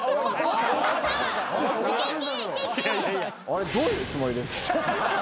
あれどういうつもりですか？